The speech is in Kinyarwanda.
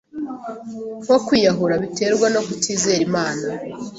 nko kwiyahura biterwa no kutizera Imana